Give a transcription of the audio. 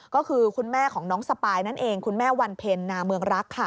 ก็คือคุณแม่ของน้องสปายนั่นเองคุณแม่วันเพ็ญนาเมืองรักค่ะ